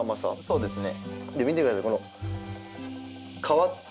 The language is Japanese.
そうですね。